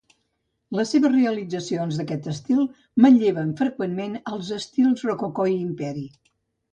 Les seves realitzacions d'aquest estil manlleven freqüentment als estils rococó i imperi.